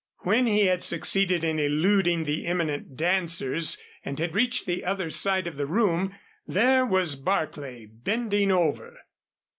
When he had succeeded in eluding the imminent dancers and had reached the other side of the room, there was Barclay bending over.